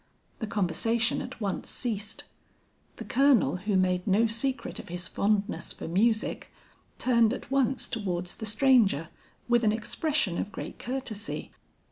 "The conversation at once ceased. The Colonel who made no secret of his fondness for music, turned at once towards the stranger, with an expression of great courtesy.